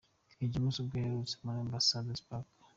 King James ubwo aherutse muri Ambassador's Park.